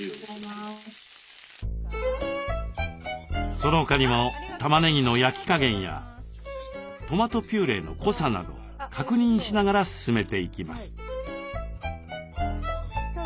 その他にも玉ねぎの焼き加減やトマトピューレの濃さなど確認しながら進めていきます。